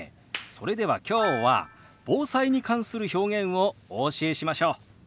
それでは今日は防災に関する表現をお教えしましょう。